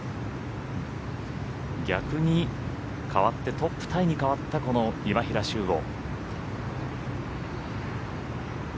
逆に代わってトップタイに代わったこの今平周吾。